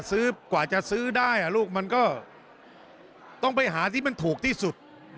กว่าจะซื้อได้ลูกมันก็ต้องไปหาที่มันถูกที่สุด